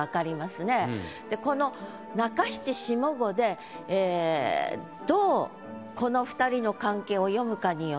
でこの中七下五でこの２人の関係を。